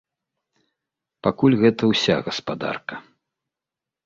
Пакуль гэта ўся гаспадарка.